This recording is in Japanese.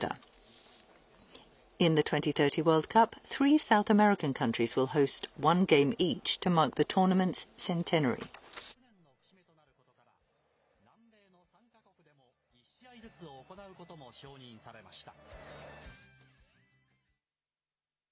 また、第１回ウルグアイ大会から１００年の節目となることから、南米の３か国でも１試合ずつ行うことも承認されました。